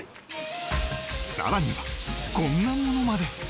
さらにはこんなものまで